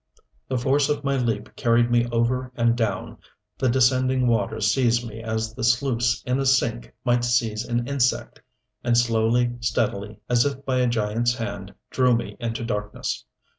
The force of my leap carried me over and down, the descending waters seized me as the sluice in a sink might seize an insect, and slowly, steadily, as if by a giant's hand, drew me into darkness.